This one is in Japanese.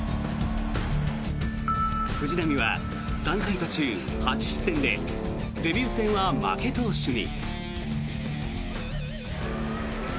藤浪は３回途中８失点でデビュー戦は負け投手に。